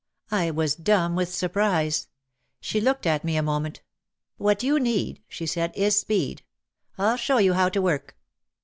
I was dumb with surprise. She looked at me a moment. "What you need," she said, "is speed! I'll show you how to work